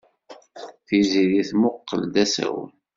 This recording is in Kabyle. Tiziri temmuqqel d asawen.